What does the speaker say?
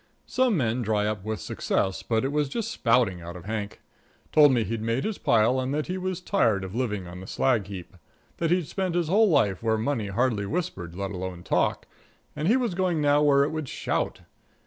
Some men dry up with success, but it was just spouting out of Hank. Told me he'd made his pile and that he was tired of living on the slag heap; that he'd spent his whole life where money hardly whispered, let alone talked, and he was going now where it would shout.